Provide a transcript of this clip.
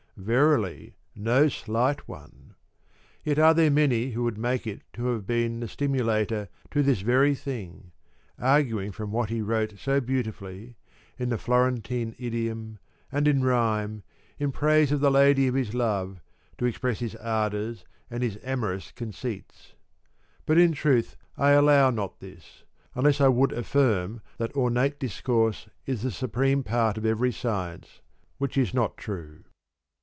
Verily no slight one ! Yet are there many who would make it to have been the stimulator to this very thing ; arguing from what he wrote so beautifully, in the Florentine idiom and in rhyme, in praise of the lady of his love, to express his ardours and his amorous i8 conceits. But in truth I allow not this, unless I would affirm that ornate discourse is the supreme part of every science, which is not true.